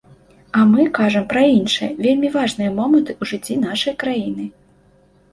А мы кажам пра іншыя, вельмі важныя моманты ў жыцці нашай краіны.